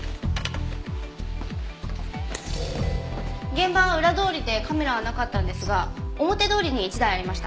現場は裏通りでカメラはなかったんですが表通りに１台ありました。